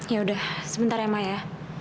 ya udah sebentar ya maya